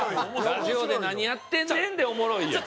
「ラジオで何やってんねん」でおもろいやん。